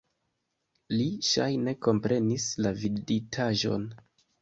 Li ŝajne komprenis la viditaĵon.